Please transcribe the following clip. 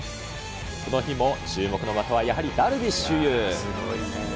この日も注目の的はやはりダルビッシュ有。